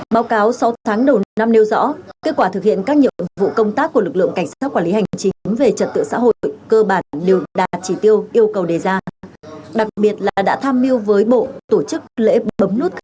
báo cáo sáu tháng đầu năm nêu rõ kết quả thực hiện các nhiệm vụ công tác của lực lượng cảnh sát quản lý hành chính về trật tự xã hội cơ bản đều đạt chỉ tiêu yêu cầu đề ra đặc biệt là đã tham mưu với bộ tổ chức lễ bấm nút